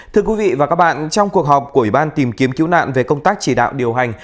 thưa quý vị và các bạn trong cuộc họp của ủy ban tìm kiếm cứu nạn về công tác chỉ đạo điều hành